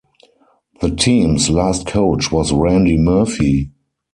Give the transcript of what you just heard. The team's last coach was Randy Murphy.